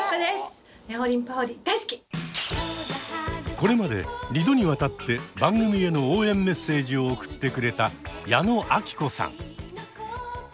これまで２度にわたって番組への応援メッセージを送ってくれた矢野顕子さん。